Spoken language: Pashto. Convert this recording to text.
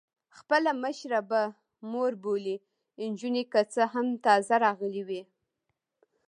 خپله مشره په مور بولي، نجونې که څه هم تازه راغلي وې.